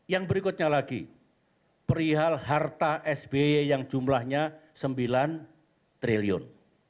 yang berikutnya lagi perihal harta sby yang jumlahnya sembilan triliun